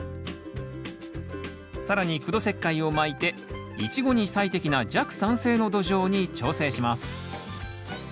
更に苦土石灰をまいてイチゴに最適な弱酸性の土壌に調整します。